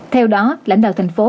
theo đó lãnh đạo thành phố